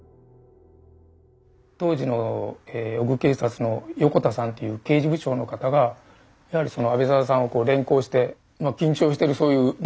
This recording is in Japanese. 当時の尾久警察の横田さんっていう刑事部長の方がやはりその阿部定さんをこう連行して緊張してるそういうね